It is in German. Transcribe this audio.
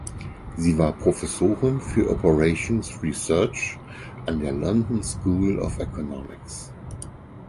Sie war Professorin für Operations Research an der London School of Economics.